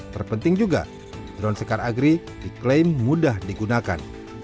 terpenting juga drone sekar agri diklaim mudah digunakan